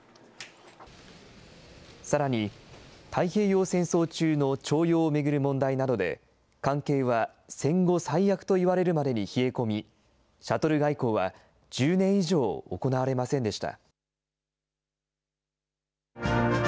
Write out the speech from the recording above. さらに、太平洋戦争中の徴用を巡る問題などで、関係は戦後最悪といわれるまでに冷え込み、シャトル外交は１０年以上行われませんでした。